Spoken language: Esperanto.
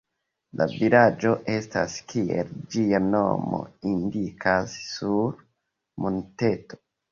La vilaĝo estas, kiel ĝia nomo indikas, sur monteto.